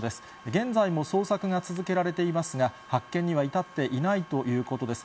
現在も捜索が続けられていますが、発見には至っていないということです。